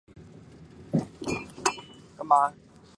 中方军队在进攻时伤亡较重。